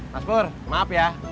mas pur maaf ya